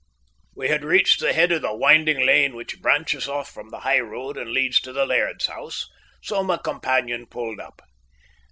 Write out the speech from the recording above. We had reached the head of the winding lane which branches off from the high road and leads to the laird's house, so my companion pulled up.